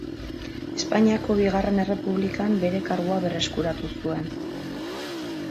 Espainiako Bigarren Errepublikan bere kargua berreskuratu zuen.